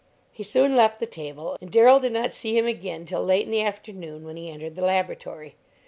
He soon left the table, and Darrell did not see him again till late in the afternoon, when he entered the laboratory.